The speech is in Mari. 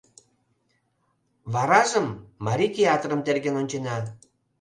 Варажым марий театрым терген ончена.